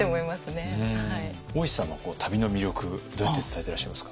大石さんは旅の魅力どうやって伝えてらっしゃいますか？